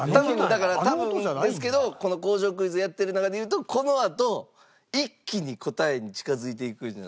だから多分ですけどこの工場クイズやってる中で言うとこのあと一気に答えに近づいていくんじゃないかなと。